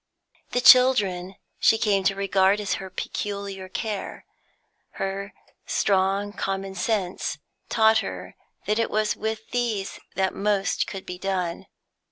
The children she came to regard as her peculiar care. Her strong common sense taught her that it was with these that most could be done.